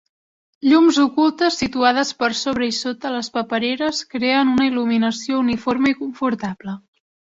Llums ocultes situades per sobre i sota les papereres creen una il·luminació uniforme i confortable.